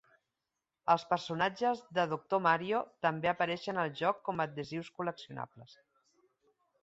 Els personatges de "Doctor Mario" també apareixen al joc com a adhesius col·leccionables.